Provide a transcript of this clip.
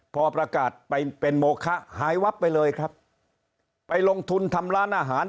พอประกาศไปเป็นโมคะหายวับไปเลยครับไปลงทุนทำร้านอาหาร